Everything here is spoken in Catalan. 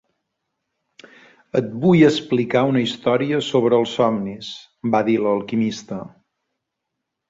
"Et vull explicar una història sobre els somnis", va dir l'alquimista.